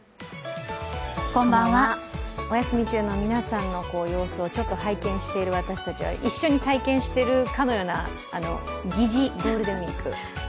お休み中の皆さんの様子をちょっと拝見している私たちは一緒に体験しているかのような疑似ゴールデンウイーク。